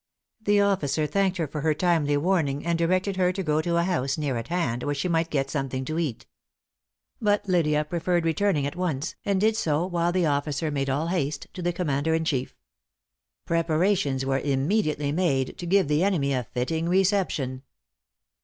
The officer thanked her for her timely warning, and directed her to go to a house near at hand, where she might get something to eat. But Lydia preferred returning at once; and did so, while the officer made all haste to the commander in chief. Preparations were immediately made to give the enemy a fitting reception.